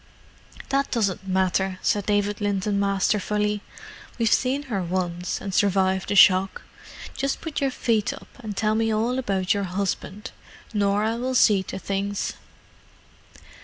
"That doesn't matter," said David Linton masterfully. "We've seen her once, and survived the shock. Just put your feet up, and tell me all about your husband—Norah will see to things."